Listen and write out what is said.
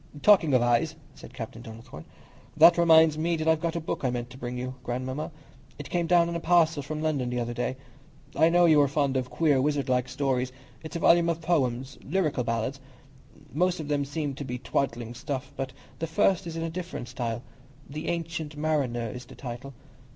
"Talking of eyes," said Captain Donnithorne, "that reminds me that I've got a book I meant to bring you, Godmamma. It came down in a parcel from London the other day. I know you are fond of queer, wizardlike stories. It's a volume of poems, 'Lyrical Ballads.' Most of them seem to be twaddling stuff, but the first is in a different style—'The Ancient Mariner' is the title.